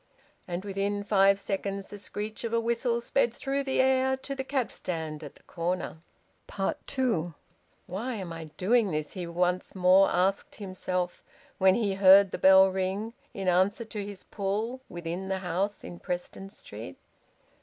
And within five seconds the screech of a whistle sped through the air to the cab stand at the corner. TWO. "Why am I doing this?" he once more asked himself, when he heard the bell ring, in answer to his pull, within the house in Preston Street.